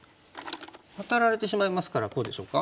ワタられてしまいますからこうでしょうか？